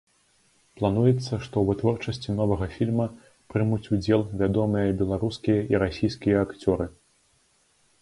Плануецца, што ў вытворчасці новага фільма прымуць удзел вядомыя беларускія і расійскія акцёры.